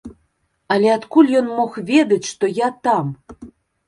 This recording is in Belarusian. Але адкуль ён мог ведаць, што я там?